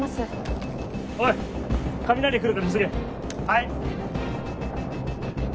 はい！